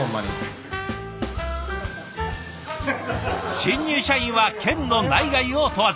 新入社員は県の内外を問わず。